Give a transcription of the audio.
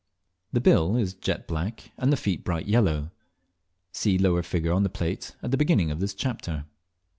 The bill is jet black, and the feet bright yellow. (See lower figure on the plate at the beginning of this chapter).